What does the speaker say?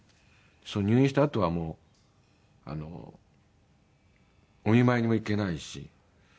入院したあとはもうお見舞いにも行けないし。